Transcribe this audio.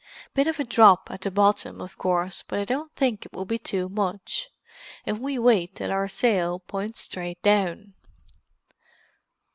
"Bit of a drop at the bottom, of course, but I don't think it would be too much, if we wait till our sail points straight down."